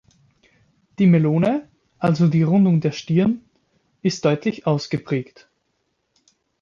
Die Melone, also die Rundung der Stirn, ist deutlich ausgeprägt.